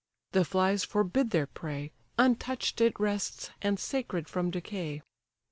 The flies forbid their prey, Untouch'd it rests, and sacred from decay.